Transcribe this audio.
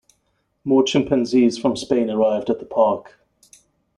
More chimpanzees from Spain arrived at the park.